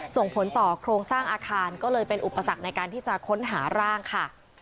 ส่งผลต่อโครงสร้างอาคารก็เลยเป็นอุปสรรคในการที่จะค้นหาร่างค่ะ